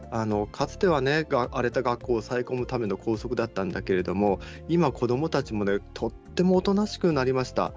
かつては、荒れた学校を抑え込むための校則だったんですか今、子どもたちもとってもおとなしくなりました。